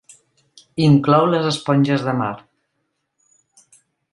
Inclou les esponges de mar.